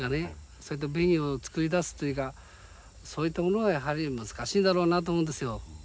そういった紅を作り出すというかそういったものはやはり難しいんだろうなと思うんですよ。